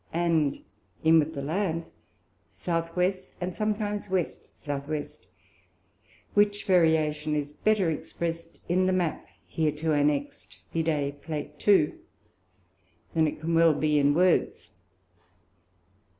and in with the Land South West, and sometimes West South West; which Variation is better express'd in the Mapp hereto annexed, (Vide Plate 2) than it can well be in Words.